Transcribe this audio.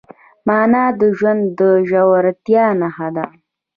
مانا د ژوند د ژورتیا نښه ده.